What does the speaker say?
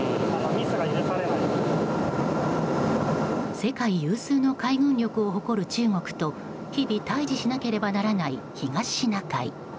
世界有数の海軍力を誇る中国と日々、対峙しなければならない東シナ海。